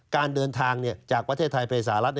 การเดินทางจากประเทศไทยไปสหรัฐ